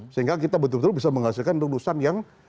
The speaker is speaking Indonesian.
sehingga kita betul betul bisa menghasilkan lulusan yang